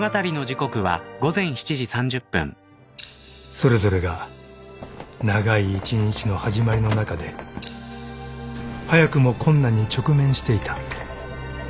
［それぞれが長い一日の始まりの中で早くも困難に直面していた］